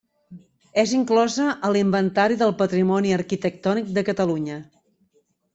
És inclosa a l'Inventari del Patrimoni Arquitectònic de Catalunya.